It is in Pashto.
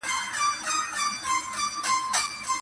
ویل خدایه تا ویل زه دي پالمه،